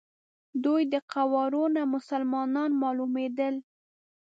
دوی د قوارو نه مسلمانان معلومېدل.